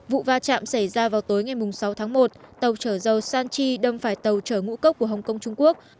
vụ va chạm xảy ra vào tối ngày sáu tháng một tàu trở dầu sanchi đâm phải tàu trở ngũ cốc của hong kong trung quốc